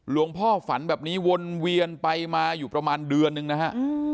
พ่อฝันแบบนี้วนเวียนไปมาอยู่ประมาณเดือนนึงนะฮะ